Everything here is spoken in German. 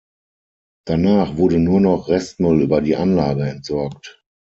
Danach wurde nur noch Restmüll über die Anlage entsorgt.